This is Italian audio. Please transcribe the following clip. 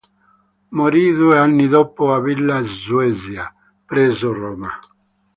Morì due anni dopo a Villa Svezia, presso Roma.